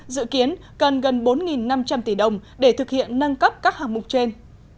dự kiến cần gần bốn năm trăm linh tỷ đồng để thực hiện nâng cấp các hạng mục trên